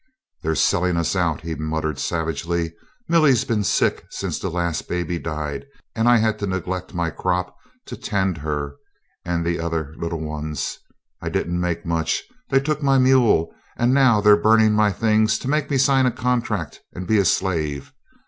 "They're selling us out," he muttered savagely. "Millie's been sick since the last baby died, and I had to neglect my crop to tend her and the other little ones I didn't make much. They've took my mule, now they're burning my things to make me sign a contract and be a slave.